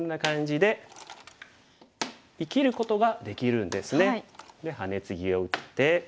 でハネツギを打って。